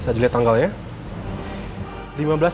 bisa dilihat tanggalnya ya